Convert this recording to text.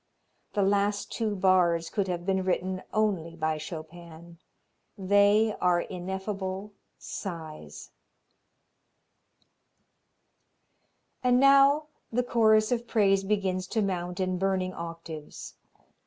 The last two bars could have been written only by Chopin. They are ineffable sighs. And now the chorus of praise begins to mount in burning octaves.